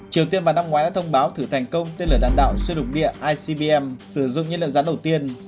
triều tiên vào năm ngoái đã thông báo thử thành công tên lửa đạn đạo xuyên lục địa icbm sử dụng nhiên liệu rán đầu tiên